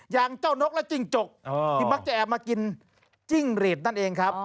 อย่างเจ้านกและจิ้งจกที่มักจะแอบมากินจิ้งหรีดนั่นเองครับ